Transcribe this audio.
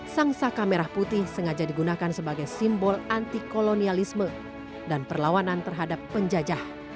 sang saka merah putih sengaja digunakan sebagai simbol antikolonialisme dan perlawanan terhadap penjajah